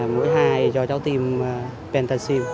mũi hai cho cháu tiêm pentaxim